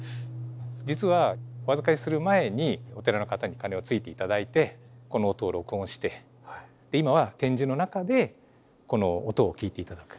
実はお預かりする前にお寺の方に鐘をついて頂いてこの音を録音して今は展示の中でこの音を聞いて頂く。